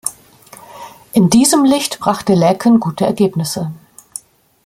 In diesem Licht brachte Laeken gute Ergebnisse.